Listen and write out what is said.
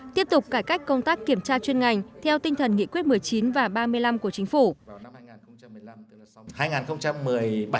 tiếp tục cải cách công tác kiểm tra chuyên ngành theo tinh thần nghị quyết một mươi chín và ba mươi năm của chính phủ